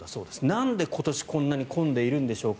なんで今年、こんなに混んでいるんでしょうか。